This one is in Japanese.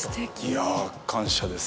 いや感謝です。